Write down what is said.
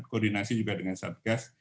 koordinasi juga dengan satgas